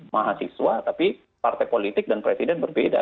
mahasiswa tapi partai politik dan presiden berbeda